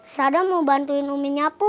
sadang mau bantuin uminya pu